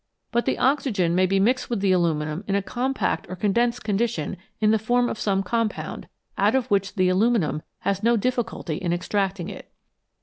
But the oxygen may be mixed with the aluminium in a compact or condensed condition in the form of some compound, out of which the aluminium has no difficulty in extracting it.